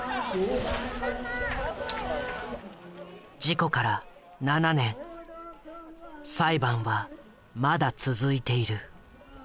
事故から７年裁判はまだ続いている。